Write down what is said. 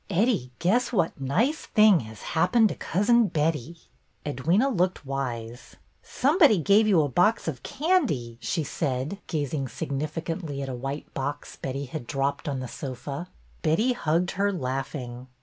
Eddie, guess what nice thing has happened to Cousin Betty?'' Edwyna looked wise. Somebody gave you a box of candy," she said, gazing significantly at a white box Betty had dropped on the sofa. Betty hugged her, laughing.